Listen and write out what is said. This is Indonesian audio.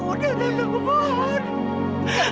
udah tante tante